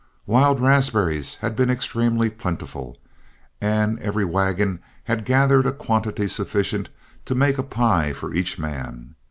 Wild raspberries had been extremely plentiful, and every wagon had gathered a quantity sufficient to make a pie for each man.